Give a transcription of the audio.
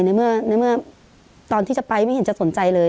ในเมื่อตอนที่จะไปไม่เห็นจะสนใจเลย